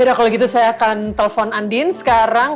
ya udah kalo gitu saya akan telpon andin sekarang